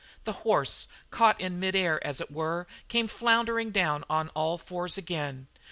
The horse, caught in mid air, as it were, came floundering down on all fours again.